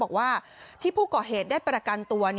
บอกว่าที่ผู้ก่อเหตุได้ประกันตัว